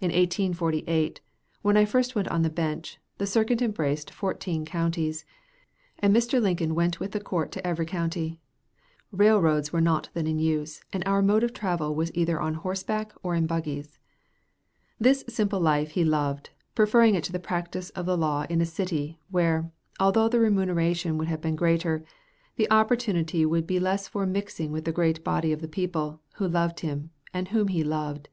In 1848, when I first went on the bench, the circuit embraced fourteen counties, and Mr. Lincoln went with the Court to every county. Railroads were not then in use, and our mode of travel was either on horseback or in buggies. This simple life he loved, preferring it to the practice of the law in a city, where, although the remuneration would be greater, the opportunity would be less for mixing with the great body of the people, who loved him, and whom he loved.